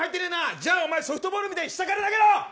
じゃあソフトボールみたいに下から投げろ。